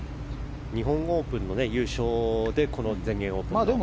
日本オープンの優勝でこの全英オープンを。